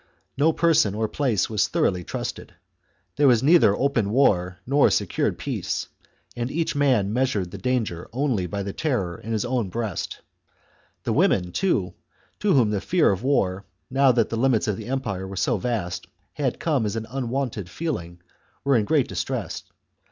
No person or place was thoroughly trusted. There was neither open war nor secured peace, and each man measured the danger only by the terror in his own breast. The women, too, to whom the fear of war, now that the limits of the empire were so vast, had come as an unwonted feeling, were in great distress.